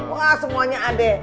wah semuanya ada